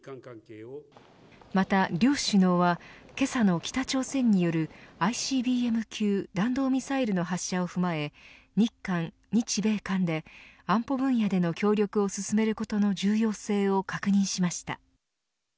また両首脳はけさの北朝鮮によるＩＣＢＭ級弾道ミサイルの発射を踏まえ日韓、日米韓で安保分野での協力を進めることの重要性を確認しました。